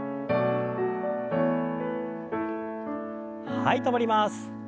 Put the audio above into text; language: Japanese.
はい止まります。